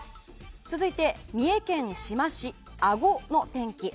続いて、三重県志摩市阿児の天気。